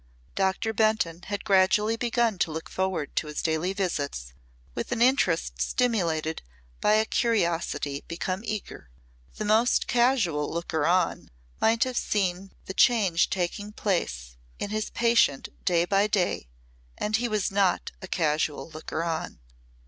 Doctor Benton had gradually begun to look forward to his daily visits with an interest stimulated by a curiosity become eager. The most casual looker on might have seen the change taking place in his patient day by day and he was not a casual looker on.